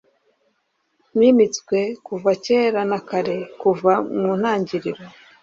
nimitswe kuva kera na kare, kuva mu ntangiriro